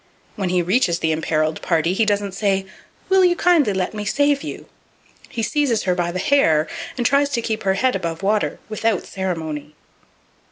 When he reaches the imperiled party, he doesn't say, "Will you kindly let me save you?" He seizes her by the hair, and tries to keep her head above water, without ceremony.